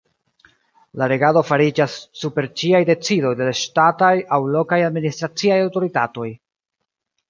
La regado fariĝas super ĉiaj decidoj de la ŝtataj aŭ lokaj administraciaj aŭtoritatoj.